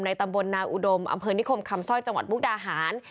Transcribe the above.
ตำบลนาอุดมอำเภอนิคมคำสร้อยจังหวัดมุกดาหาร